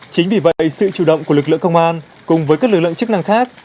chính vì vậy sự chủ động của lực lượng công an cùng với các lực lượng chức năng khác